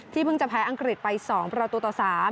เพิ่งจะแพ้อังกฤษไป๒ประตูต่อ๓